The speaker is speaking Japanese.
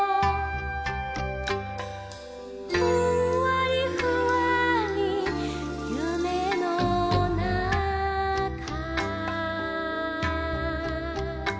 「ふんわりふわーりゆめのなか」